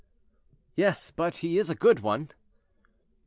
"Yes; but he is a good one."